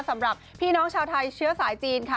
สำหรับพี่น้องชาวไทยเชื้อสายจีนค่ะ